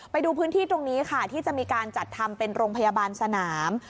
ไปดูพื้นที่ตรงนี้ค่ะที่จะมีการจัดทำเป็นโรงพยาบาลสนาม